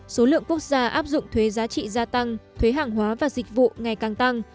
số lượng quốc gia áp dụng thuế giá trị gia tăng thuế hàng hóa và dịch vụ ngày càng tăng